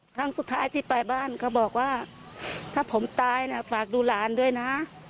ครั้งสุดท้ายที่ไปบ้านเขาบอกว่าถ้าผมตายนะฝากดูหลานด้วยนะ